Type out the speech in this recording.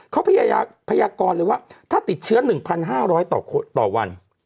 เขาพยากรเลยว่าถ้าติดเชื้อ๑๕๐๐ต่อวัน